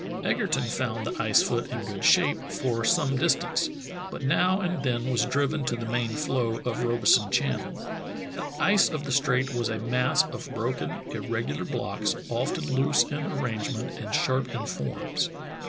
Egerton found the ice foot in good shape for some dis tance, but now and then was driven to the main floe of Robeson Channel. The ice of the strait was a mass of broken, irregular blocks, often loose in arrangement and sharp in forms.